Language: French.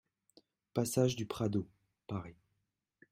Passage du Prado, Paris